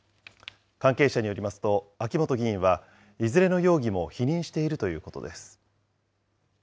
関係者によりますと、秋本議員はいずれの容疑も否認しているということです。